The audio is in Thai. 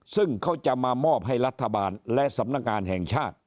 ซึ่งเขาจะมามอบให้รัฐบาลและสำนักงานแห่งชาติ